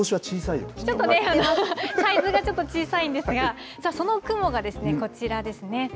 ちょっとね、サイズがちょっと小さいんですが、その雲がこちらですね。